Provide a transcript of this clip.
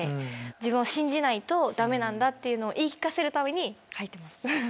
自分を信じないとダメなんだっていうのを言い聞かせるために書いてます。